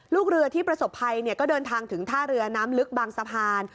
ลูกเรือที่ประสบภัยก็เดินทางถึงท่าเรือน้ำลึกบางสะพาน